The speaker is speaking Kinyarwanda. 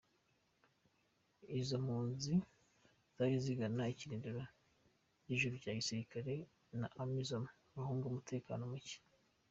Izo mpunzi zaje zigana ikirindiro gikuru c'abasirikare ba Amisom bahunga umutekano muke.